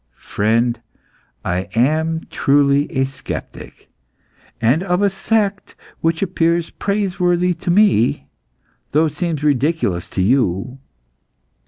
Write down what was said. "Friend, I am truly a sceptic, and of a sect which appears praiseworthy to me, though it seems ridiculous to you.